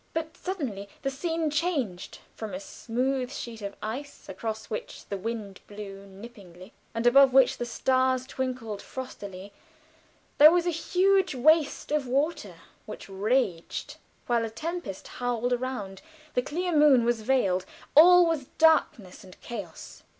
But suddenly the scene changed; from a smooth sheet of ice, across which the wind blew nippingly, and above which the stars twinkled frostily, there was a huge waste of water which raged, while a tempest howled around the clear moon was veiled, all was darkness and chaos.